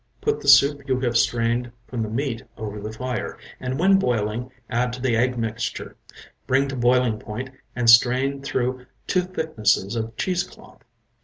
Put the soup you have strained from the meat over the fire, and when boiling add to the egg mixture, bring to boiling point and strain through two thicknesses of cheese cloth.